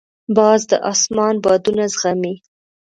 باز د اسمان بادونه زغمي